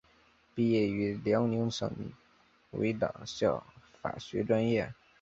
毕业于辽宁省委党校法学专业。